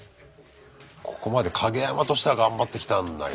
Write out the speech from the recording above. ここまでカゲヤマとしては頑張ってきたんだけど。